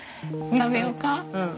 食べようか。